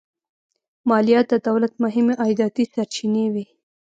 مالیات د دولت مهمې عایداتي سرچینې وې.